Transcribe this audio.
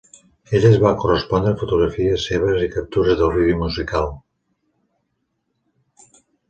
Elles van correspondre a fotografies seves i captures del vídeo musical.